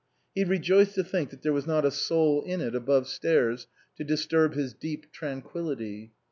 He rejoiced to think that there was not a soul in it 227 SUPERSEDED above stairs to disturb his deep tranquility.